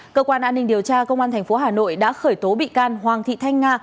cơ quan an ninh điều tra công an tp hà nội đã khởi tố bị can hoàng thị thanh nga